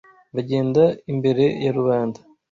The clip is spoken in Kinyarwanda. bagenda imbere ya rubanda.